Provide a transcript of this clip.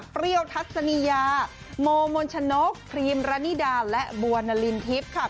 เปรี้ยวทัศนียาโมมนชนกครีมรานิดาและบัวนลินทิศค่ะ